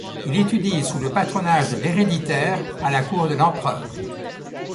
Il étudie sous le patronage de l'héréditaire à la cour de l'empereur.